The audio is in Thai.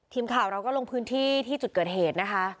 ทีมข่าวเราก็ลงพื้นที่ที่จุดเกิดเหตุนะคะ